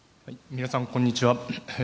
皆さん、こんにちは。